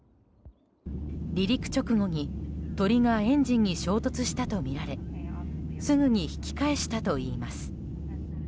離陸直後に鳥がエンジンに衝突したとみられすぐに引き返したといいます。